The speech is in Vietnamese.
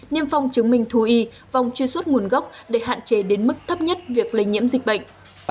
niêm phong chứng minh thú y vòng truy xuất nguồn gốc để hạn chế đến mức thấp nhất việc lây nhiễm dịch bệnh